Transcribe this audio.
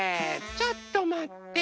ちょっとまって。